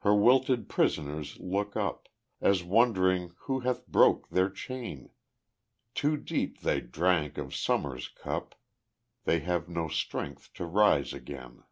Her wilted prisoners look up, As wondering who hath broke their chain, Too deep they drank of summer's cup, They have no strength to rise again.